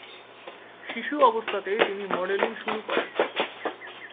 শিশু অবস্থাতেই তিনি মডেলিং শুরু করেন।